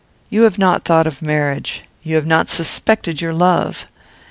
"You have not thought of marriage. You have not suspected your love.